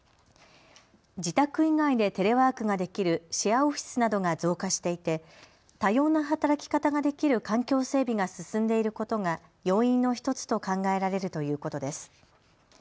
自宅以外でテレワークができるシェアオフィスなどが増加していて多様な働き方ができる環境整備が進んでいることが要因の１つと考えられるということです。